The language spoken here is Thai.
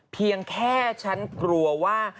เพียงแค่ฉันกลัวว่า